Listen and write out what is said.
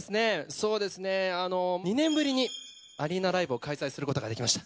そうですね２年ぶりにアリーナライブを開催することができました。